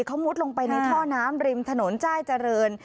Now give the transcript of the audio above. เขามุดลงไปในท่อน้ำริมถนนจ้ายเจริญ